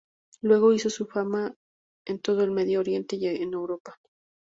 Luego hizo su fama en todo el Medio Oriente y en Europa.